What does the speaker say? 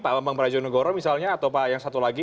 pak bang prajonegoro misalnya atau pak yang satu lagi